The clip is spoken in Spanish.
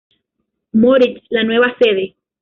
Moritz la nueva sede.